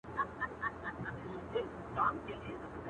د خټین او د واورین سړک پر غاړه!.!